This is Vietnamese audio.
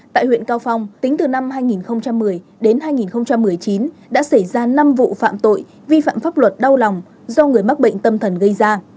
tại huyện cao phong tính từ năm hai nghìn một mươi đến hai nghìn một mươi chín đã xảy ra năm vụ phạm tội vi phạm pháp luật đau lòng do người mắc bệnh tâm thần gây ra